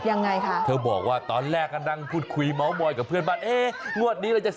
จิลดิบอกว่าตอนแรกนางคุดคุยแบบบ่อยกับเพื่อนว่า